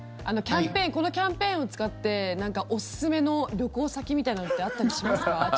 このキャンペーンを使っておすすめの旅行先みたいなのってあったりしますか？